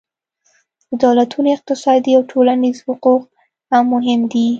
د دولتونو اقتصادي او ټولنیز حقوق هم مهم دي